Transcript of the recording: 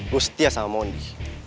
gue setia sama mondi